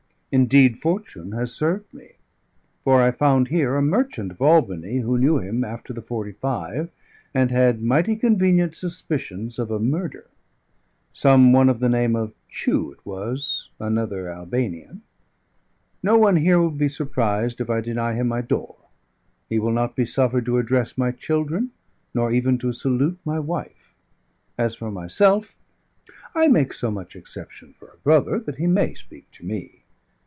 Indeed, fortune has served me; for I found here a merchant of Albany who knew him after the 'Forty five, and had mighty convenient suspicions of a murder: some one of the name of Chew it was, another Albanian. No one here will be surprised if I deny him my door; he will not be suffered to address my children, nor even to salute my wife: as for myself, I make so much exception for a brother that he may speak to me.